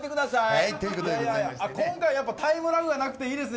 今回やっぱりタイムラグがなくていいですね。